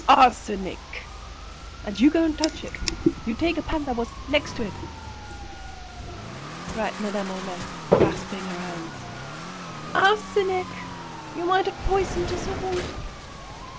Arsenic! And you go and touch it! You take a pan that was next to it!" "Next to it!" cried Madame Homais, clasping her hands. "Arsenic! You might have poisoned us all."